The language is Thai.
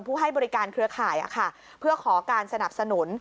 ให้บริการเครือข่ายเพื่อขอการสนับสนุน